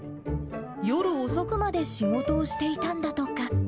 夜遅くまで仕事をしていたんだとか。